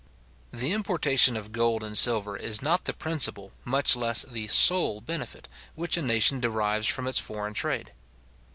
The importation of gold and silver is not the principal, much less the sole benefit, which a nation derives from its foreign trade.